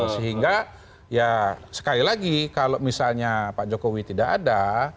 sehingga ya sekali lagi kalau misalnya pak jokowi tidak ada